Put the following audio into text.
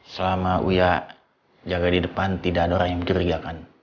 selama uya jaga di depan tidak ada orang yang mencurigakan